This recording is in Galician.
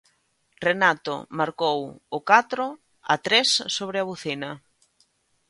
Renato marcou o catro a tres sobre a bucina.